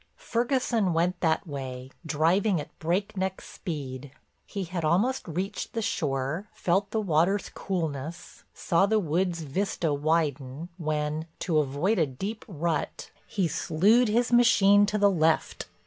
Ferguson went that way, driving at breakneck speed. He had almost reached the shore, felt the water's coolness, saw the wood's vista widen when, to avoid a deep rut, he slewed his machine to the left.